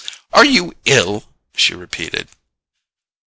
"Are you ill?" she repeated.